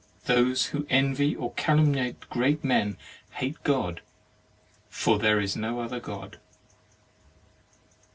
Those who envy or calumniate great men hate God, for there is no other God."